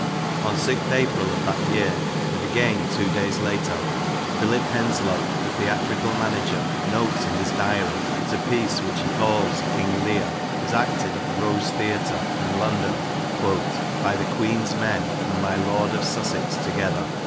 On 6 April of that year and, again, two days later Philip Hens lowe, the theatrical manager, notes in his Diary that a piece, which he calls Kinge Leare, was acted at the Rose Theatre in London 'by the Queene's men and my Lord of Susexe together.'